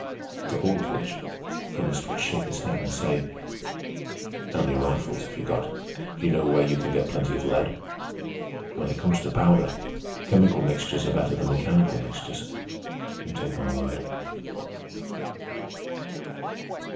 To all of which Ernest would shake his head and say: "How many rifles have you got? Do you know where you can get plenty of lead? When it comes to powder, chemical mixtures are better than mechanical mixtures, you take my word."